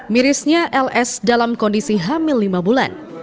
mirisnya ls dalam kondisi hamil lima bulan